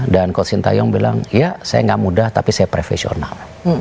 dan coach sinteyong bilang ya saya gak mudah tapi saya profesional